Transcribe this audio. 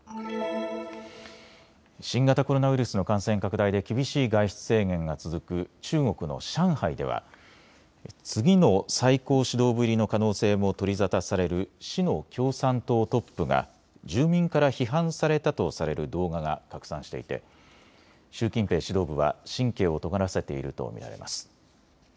新型コロナウイルスの感染拡大で厳しい外出制限が続く中国の上海では次の最高指導部入りの可能性も取り沙汰される市の共産党トップが住民から批判されたとされる動画が拡散していて習近平指導部は神経をとがらせていると見られます。